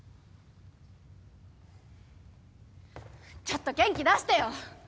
ちょっと元気出してよ！